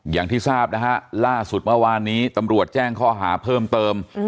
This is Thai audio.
อย่างที่ทราบนะฮะล่าสุดเมื่อวานนี้ตำรวจแจ้งข้อหาเพิ่มเติม